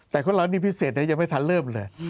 แต่คนเรานี่พิเศษยังไม่ทันเริ่มเลย